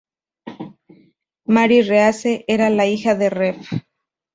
Mary Reese era la hija del Rev.